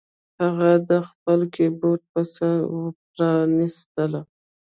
هغه دا د خپل کیبورډ په سر پرانیستله